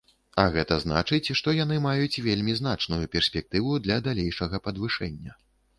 А гэта значыць, што яны маюць вельмі значную перспектыву для далейшага падвышэння.